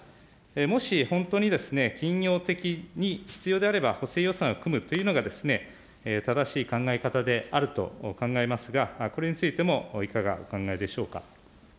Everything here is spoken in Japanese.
もし本当にですね、緊要的に必要であれば補正予算を組むというのがですね、正しい考え方であると考えますが、これについてもいかがお考えでしょうか。